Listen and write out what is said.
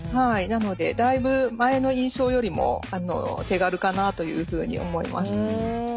なのでだいぶ前の印象よりも手軽かなというふうに思います。